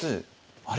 あれ？